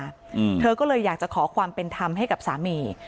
อืมเธอก็เลยอยากจะขอความเป็นธรรมให้กับสามี